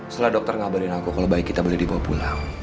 setelah dokter ngabarin aku kalau baik kita boleh dibawa pulang